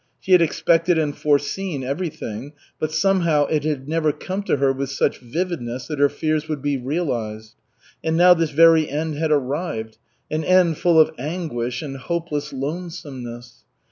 She had expected and foreseen everything, but somehow it had never come to her with such vividness that her fears would be realized. And now this very end had arrived, an end full of anguish and hopeless lonesomeness.